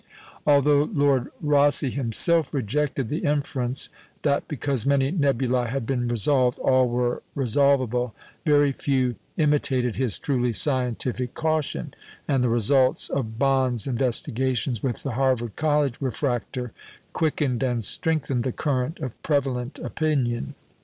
Although Lord Rosse himself rejected the inference, that because many nebulæ had been resolved, all were resolvable, very few imitated his truly scientific caution; and the results of Bond's investigations with the Harvard College refractor quickened and strengthened the current of prevalent opinion.